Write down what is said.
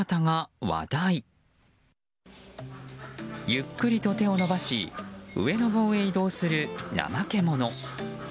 ゆっくりと手を伸ばし上の棒へ移動するナマケモノ。